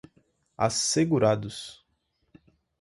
assegurados